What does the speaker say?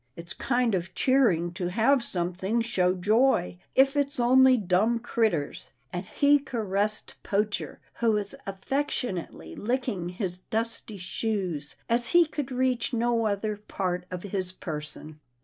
It's kind of cheering to have something show joy, if it's only dumb critters," and he caressed Poacher who was affectionately licking his dusty shoes, as he could reach no other part of his per son.